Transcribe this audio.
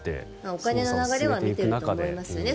お金の流れは見ていると思いますよね。